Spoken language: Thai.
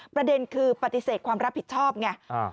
ประเด็นคือปฏิเสธความรับผิดชอบไง